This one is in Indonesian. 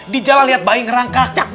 di jalan lihat bayi ngerangkak